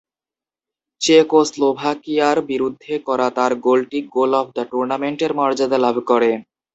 চেকোস্লোভাকিয়ার বিরুদ্ধে করা তার গোলটি "গোল অফ দ্য টুর্নামেন্ট" এর মর্যাদা লাভ করে।